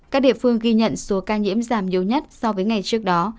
các địa phương ghi nhận số ca nhiễm giảm nhiều nhất so với ngày trước đó